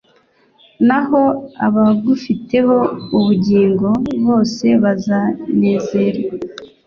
naho abagufiteho ubuhungiro bose bazanezerwa